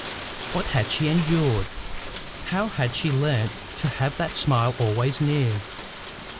What had she endured? How had she learned to have that smile always near?